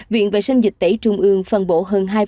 viện vệ sinh dịch tẩy trung ương phân bổ hợp